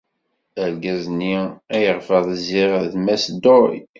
Argaz-nni ayɣef rziɣ d Mass Doi.